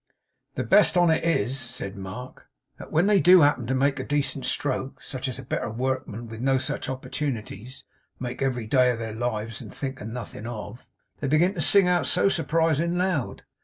'The best on it is,' said Mark, 'that when they do happen to make a decent stroke; such as better workmen, with no such opportunities, make every day of their lives and think nothing of they begin to sing out so surprising loud.